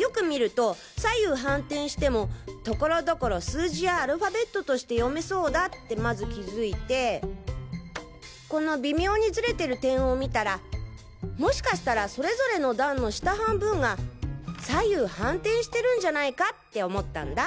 よく見ると左右反転しても所々数字やアルファベットとして読めそうだってまず気付いてこの微妙にずれてる点を見たらもしかしたらそれぞれの段の下半分が左右反転してるんじゃないかって思ったんだ！